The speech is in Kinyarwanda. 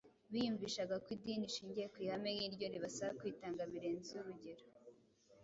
Biyumvishaga ko idini ishingiye ku ihame nk’iryo ribasaba kwitanga birenze urugero